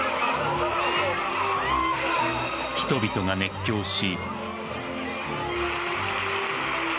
人々が熱狂し。